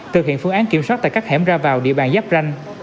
thực hiện phương án kiểm soát tại các hẻm ra vào địa bàn giáp ranh